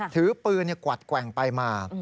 ถือปืนกวัดแกว่งไปมา